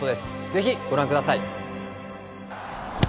ぜひご覧ください！